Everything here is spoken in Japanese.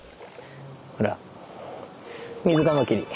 ほらミズカマキリ。